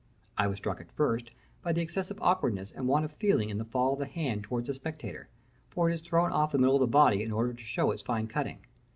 I was struck at first by the excessive awkwardness and want of feeling in the fall of the hand towards the spectator, for it is thrown off the middle of the body in order to show its fine cutting.